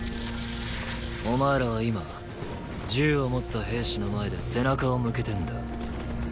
お前らは今銃を持った兵士の前で背中を向けてんだ。